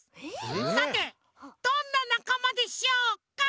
さてどんななかまでしょうか？